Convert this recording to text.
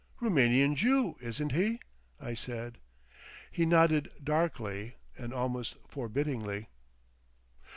"Roumanian Jew, isn't he?" I said. He nodded darkly and almost forbiddingly.